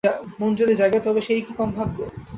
মন যদি জাগে তবে সেই কি কম ভাগ্য!